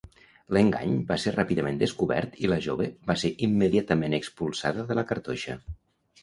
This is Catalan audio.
L'engany va ser ràpidament descobert i la jove va ser immediatament expulsada de la cartoixa.